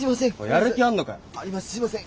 すいません！